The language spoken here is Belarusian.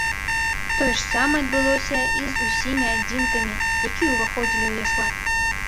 Тое ж самае адбылося і з усімі адзінкамі, якія ўваходзілі ў яе склад.